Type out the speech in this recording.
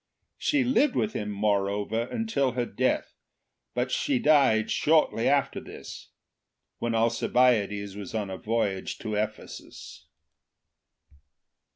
She lived with him, moreover, until her death, but she died shortly after this, when Alcibiades was on a voyage to Ephesus.